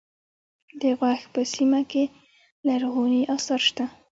د غور په سیمه کې لرغوني اثار شته